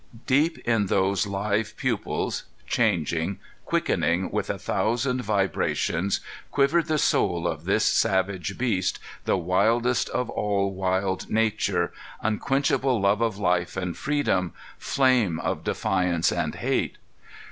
Deep in those live pupils, changing, quickening with a thousand vibrations, quivered the soul of this savage beast, the wildest of all wild Nature, unquenchable love of life and freedom, flame of defiance and hate.